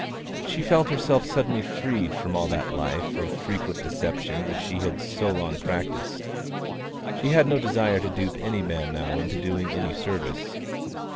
She felt herself suddenly freed from all that life of frequent deception which she had so long practised. She had no desire to dupe any man now into doing any service.